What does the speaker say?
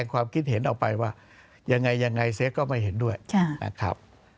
ความคิดเห็นออกไปว่ายังไงยังไงเซฟก็ไม่เห็นด้วยนะครับ